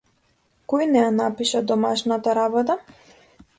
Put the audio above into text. Кој не ја напиша домашната работа?